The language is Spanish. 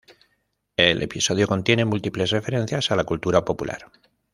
El episodio contiene múltiples referencias a la cultura popular.